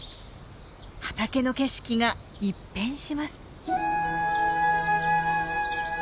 畑の景色が一変します。